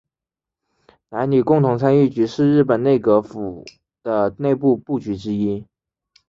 男女共同参与局是日本内阁府的内部部局之一。